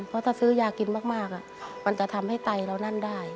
เพราะถ้าซื้อยากินมากมันจะทำให้ไตเรานั่นได้